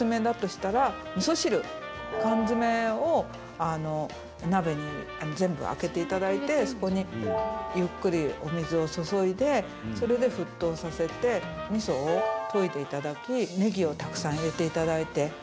缶詰を鍋に全部開けていただいてそこにゆっくり水を注いでそれで沸騰させてみそを溶いていただきねぎをたくさん入れていただいて。